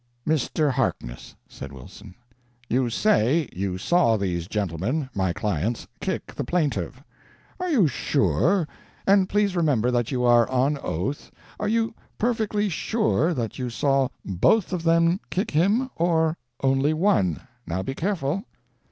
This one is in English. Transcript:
"Mr. Harkness," said Wilson, "you say you saw these gentlemen, my clients, kick the plaintiff. Are you sure and please remember that you are on oath are you perfectly sure that you saw both of them kick him, or only one? Now be careful."